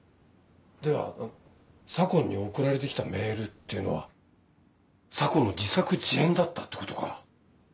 では左紺に送られて来たメールっていうのは左紺の自作自演だったってことか。